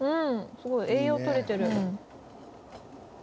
すごい栄養とれてる。